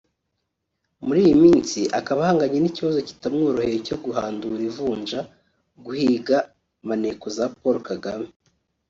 Muri iyi minsi akaba ahanganye n’ikibazo kitamworoheye cyo guhandura ivunja (guhiga maneko za Paul Kagame)